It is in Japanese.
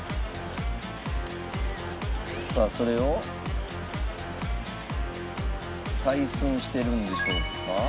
さあそれを採寸してるんでしょうか？